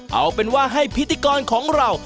เอาเป็นว่าให้พิธีกรของเรา